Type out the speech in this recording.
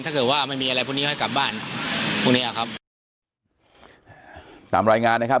ถ้าเกิดว่าไม่มีอะไรพวกนี้ค่อยกลับบ้านพรุ่งเนี้ยครับตามรายงานนะครับ